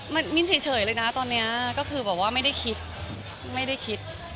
มันมินเฉยเลยนะว่าตอนนี้คือไม่ได้คิด